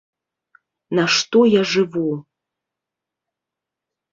На што я жыву?